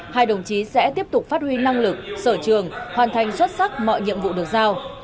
hai đồng chí sẽ tiếp tục phát huy năng lực sở trường hoàn thành xuất sắc mọi nhiệm vụ được giao